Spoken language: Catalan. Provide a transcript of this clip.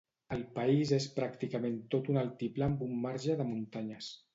El país és pràcticament tot un altiplà amb un marge de muntanyes.